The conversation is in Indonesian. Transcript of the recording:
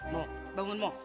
mau bangun mau